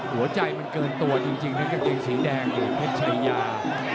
หัวใจมันเกินตัวจริงนะกางเกงสีแดงอยู่เพชรชริยา